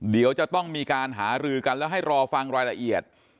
เดี๋ยวจะต้องมีการหารือกันแล้วให้รอฟังรายละเอียด